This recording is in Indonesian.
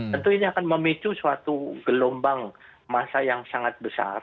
tentu ini akan memicu suatu gelombang masa yang sangat besar